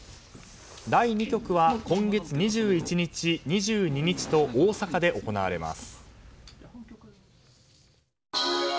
第２局は今月２１日、２２日と大阪で行われます。